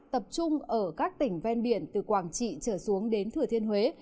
tập trung ở các tỉnh ven biển từ quảng trị trở xuống đến thừa thiên huế